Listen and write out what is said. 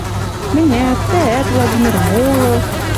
Мӹнят, тӓӓт, Владимир, молы —